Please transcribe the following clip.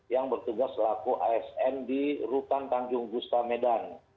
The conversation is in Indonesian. yang bertugas selaku asn di rutan tanjung gustamedan